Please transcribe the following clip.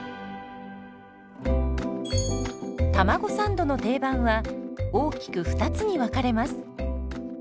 たまごサンドの定番は大きく２つに分かれます。